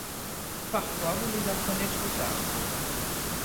Parfois, vous les apprenez trop tard.